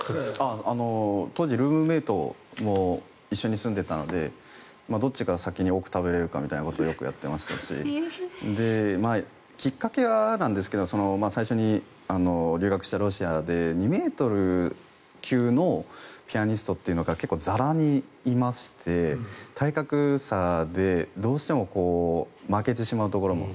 当時、ルームメートも一緒に住んでいたのでどっちが先に多く食べれるかみたいなことをよくやってましたしきっかけはなんですけど最初に留学したロシアで２ｍ級のピアニストというのが結構ざらにいまして体格差でどうしても負けてしまうところも。